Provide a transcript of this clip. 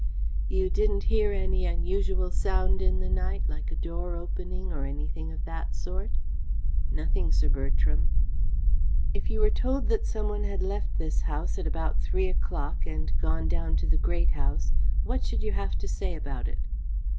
"You didn't hear any unusual sound in the night like a door opening or anything of that sort?" "Nothing, Sir Bertram." "If you were told that some one had left this house at about three o'clock and gone down to the Great House, what should you have to say about it?"